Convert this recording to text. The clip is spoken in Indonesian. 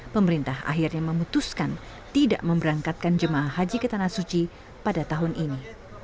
pemerintah akhirnya memutuskan tidak memberangkatkan jemaah haji ke tanah suci pada tahun ini